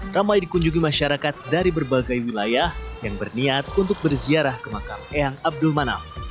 ramai dikunjungi masyarakat dari berbagai wilayah yang berniat untuk berziarah ke makam eyang abdul manaf